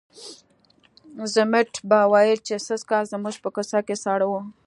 ضمټ به ویل چې سږکال زموږ په کوڅه کې ساړه وو.